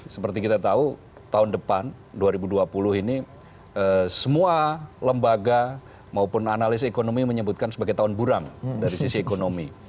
seperti kita tahu tahun depan dua ribu dua puluh ini semua lembaga maupun analis ekonomi menyebutkan sebagai tahun buram dari sisi ekonomi